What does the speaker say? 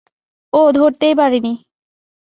ও, ধরতেই পারিনি।